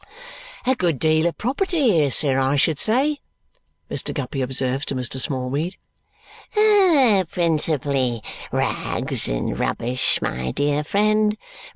"A good deal of property here, sir, I should say," Mr. Guppy observes to Mr. Smallweed. "Principally rags and rubbish, my dear friend!